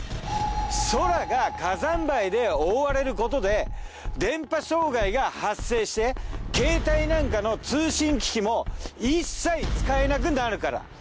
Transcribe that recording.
空が火山灰で覆われることで電波障害が発生してケータイなんかの通信機器も一切使えなくなるから。